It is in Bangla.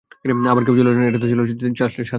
আবার কেউ কেউ বলেন, এটা ছিল চাশতের সালাত।